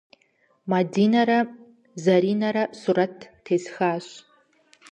Мадинэрэ Заринэрэ сурэт тесхащ.